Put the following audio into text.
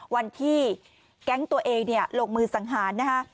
วันที่แก๊งตัวเองลงมือสังหารนะฮะ